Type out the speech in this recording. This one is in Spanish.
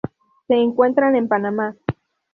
Se encuentran en Panamá.